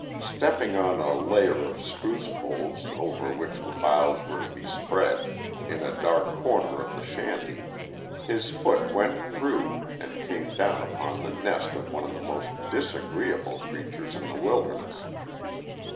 Stepping on a layer of spruce poles over which the boughs were to be spread, in a dark corner of the shanty, his foot went through and came down upon the nest of one of the most disagreeable creatures in the wilderness.